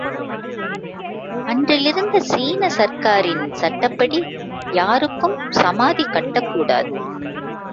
அன்றிலிருந்த சீன சர்க்காரின் சட்டப்படி யாருக்கும் சமாதி கட்டக்கூடாது.